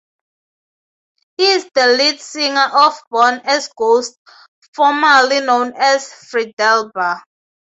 He is the lead singer of Born As Ghosts, formerly known as Fredalba.